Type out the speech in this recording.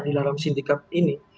di dalam sindiket ini